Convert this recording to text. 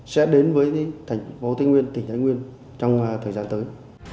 sẽ đến với thành phố thái nguyên tỉnh thái nguyên trong thời gian tới